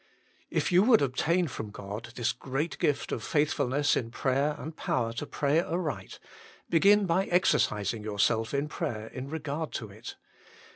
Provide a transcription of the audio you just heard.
If you would obtain from God this great gift of faithfulness in prayer and power to pray aright, begin by exercising yourself in prayer in regard to it.